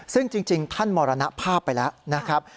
ซึ่งจริงท่านมรณภาพไปแล้วนะครับ